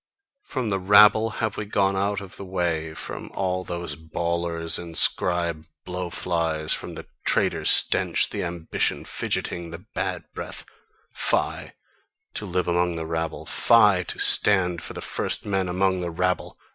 From the rabble have we gone out of the way, from all those bawlers and scribe blowflies, from the trader stench, the ambition fidgeting, the bad breath : fie, to live among the rabble; Fie, to stand for the first men among the rabble!